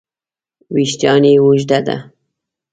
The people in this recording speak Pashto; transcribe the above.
وېښتیان یې اوږده دي.